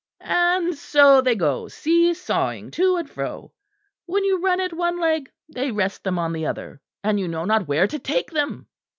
And so they go see sawing to and fro. When you run at one leg they rest them on the other, and you know not where to take them."